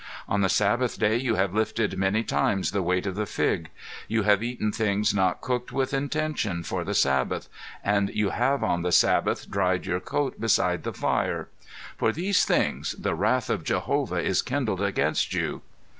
On the Sabbath day you have lifted many times the weight of the fig. You have eaten things not cooked with intention for the Sabbath, and you have on the Sabbath dried your coat beside the fire. For these things the wrath of Jehovah is kindled against you."